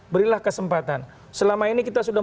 berilah kesempatan selama ini kita sudah